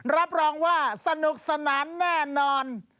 รับรองว่าสนุกสนานแน่นอน